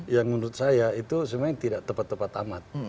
yang menurut saya itu sebenarnya tidak tepat tepat amat